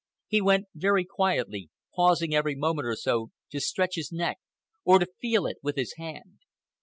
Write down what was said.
He went very quietly, pausing every moment or so to stretch his neck or to feel it with his hand.